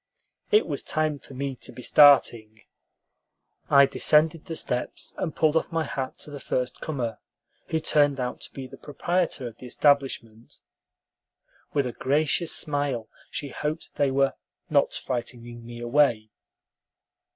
It was time for me to be starting. I descended the steps, and pulled off my hat to the first comer, who turned out to be the proprietor of the establishment. With a gracious smile, she hoped they were "not frightening me away."